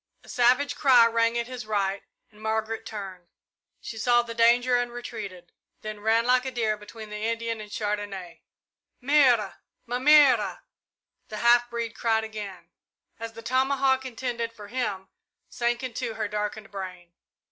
A savage cry rang at his right, and Margaret turned. She saw the danger and retreated, then ran like a deer between the Indian and Chandonnais. "Mère! Ma mère!" the half breed cried again, as the tomahawk intended for him sank into her darkened brain.